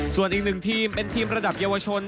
ส่วนอีกหนึ่งทีมเป็นทีมระดับเยาวชน